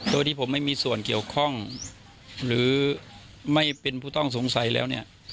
โดยที่ผมไม่มีส่วนเกี่ยวข้องหรือไม่เป็นผู้ต้องสงสัยแล้วเนี่ย